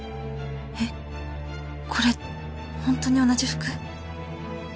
えっこれホントに同じ服？